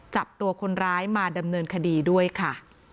จับตัวคนร้ายมาดำเนินคดีด้วยค่ะ